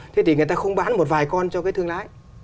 thế thì người ta không bán một vài con cho cái thương lái